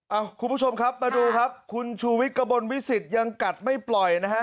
คุณผู้ชมครับมาดูครับคุณชูวิทย์กระบวนวิสิทธิ์ยังกัดไม่ปล่อยนะฮะ